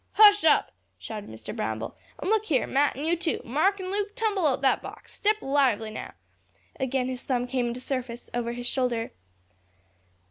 "Hush up!" shouted Mr. Bramble, "and look here, Mat, an' you too, Mark and Luke, tumble out that box. Step lively now." Again his thumb came into service over his shoulder.